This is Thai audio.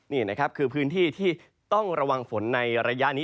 นี่นะครับคือพื้นที่ที่ต้องระวังฝนในระยะนี้